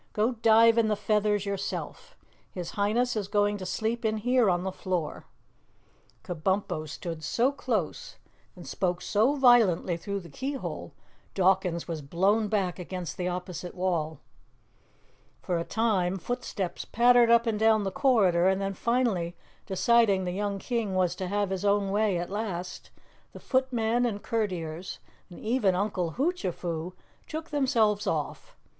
Go dive in the feathers yourself. His Highness is going to sleep in here on the floor." Kabumpo stood so close and spoke so violently through the keyhole, Dawkins was blown back against the opposite wall. For a time footsteps pattered up and down the corridor, then finally deciding the young King was to have his own way at last, the footmen and courtiers and even Uncle Hoochafoo took themselves off.